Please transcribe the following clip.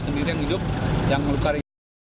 yang diri yang hidup yang melukari